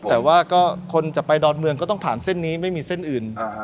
แต่ว่าก็คนจะไปดอนเมืองก็ต้องผ่านเส้นนี้ไม่มีเส้นอื่น